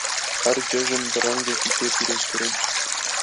Her cejin bi rengekî tê pîrozkirin.